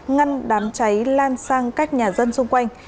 ngăn đám cháy lan sang các nhà dân xung quanh